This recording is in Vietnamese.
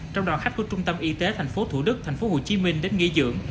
trong đoàn khách của trung tâm y tế tp thủ đức tp hồ chí minh đến nghỉ dưỡng